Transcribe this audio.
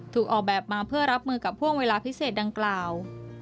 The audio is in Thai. ถูกออกแบบมาเพื่อรับมือกับห่วงเวลาพิเศษดังกล่าว